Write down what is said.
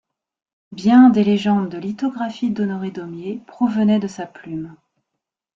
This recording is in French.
Bien des légendes de lithographies d’Honoré Daumier provenaient de sa plume.